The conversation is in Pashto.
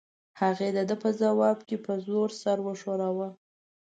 هغې د ده په ځواب کې په زور سر وښوراوه.